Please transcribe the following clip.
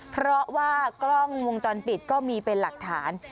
เพราะว่ากล้องวงจรปิดก็มีเป็นหลักฐาน